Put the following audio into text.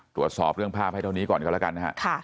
ตรวจสอบเรื่องภาพให้เท่านี้ก่อนกันแล้วกันนะฮะ